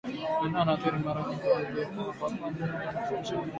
Maeneo yanayoathirika mara nyingi huanzia kwapani nyonga na kusambaa mwilini